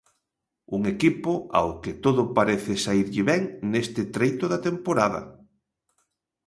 Un equipo ao que todo parece saírlle ben neste treito da temporada.